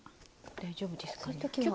大丈夫ですかね？